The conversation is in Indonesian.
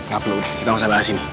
gak perlu udah kita gak usah bahas ini